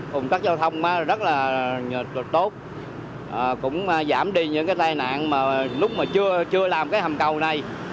ủng tắc giao thông rất là tốt cũng giảm đi những cái tai nạn mà lúc mà chưa làm cái hầm cầu này